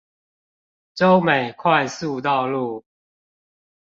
洲美快速道路